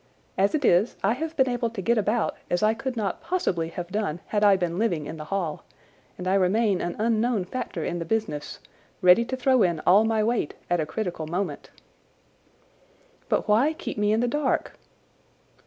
As it is, I have been able to get about as I could not possibly have done had I been living in the Hall, and I remain an unknown factor in the business, ready to throw in all my weight at a critical moment." "But why keep me in the dark?"